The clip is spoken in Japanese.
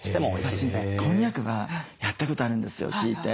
私こんにゃくはやったことあるんですよ聞いて。